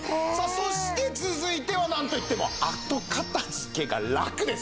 そして続いてはなんといっても後片付けがラクです。